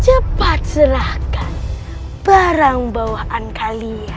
cepat serahkan barang bawaan kalian